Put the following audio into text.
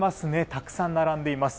たくさん並んでいます。